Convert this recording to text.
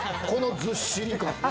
このずっしり感。